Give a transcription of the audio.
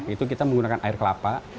itu kita menggunakan air kelapa